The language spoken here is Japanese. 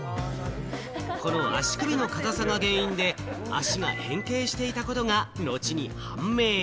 この足首の硬さが原因で足が変形していたことが後に判明。